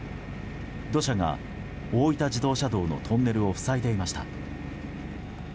土砂が大分自動車道のトンネルを塞いでいました。